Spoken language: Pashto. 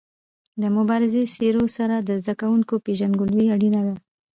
د مبارزو څېرو سره د زده کوونکو پيژندګلوي اړینه ده.